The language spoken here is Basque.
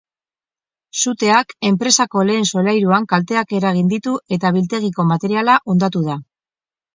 Suteak enpresako lehen solairuan kalteak eragin ditu eta biltegiko materiala hondatu da.